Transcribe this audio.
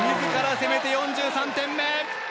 攻めて４３点目。